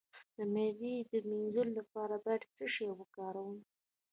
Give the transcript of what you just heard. د معدې د مینځلو لپاره باید څه شی وکاروم؟